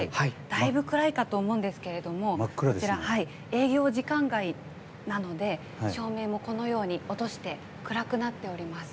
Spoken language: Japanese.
だいぶ暗いかと思うんですけど営業時間外なので照明も、このように落として暗くなっております。